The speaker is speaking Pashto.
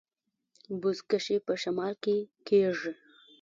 بزکشي په شمال کې کیږي